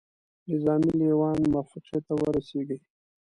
نظامي لېوان موافقې ته ورسیږي.